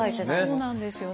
そうなんですよね。